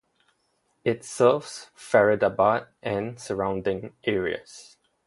It serves Faridabad and surrounding areas.